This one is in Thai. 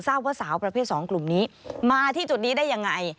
ทราบว่าสาวประเภท๒กลุ่มนี้มาที่จุดนี้ได้ยังไง